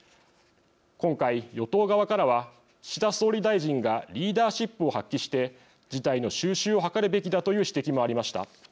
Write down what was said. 今回、与党側からは岸田総理大臣がリーダーシップを発揮して事態の収拾を図るべきだという指摘もありました。